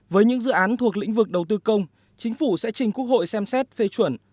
với những dự án thuộc lĩnh vực đầu tư công chính phủ sẽ trình quốc hội xem xét phê chuẩn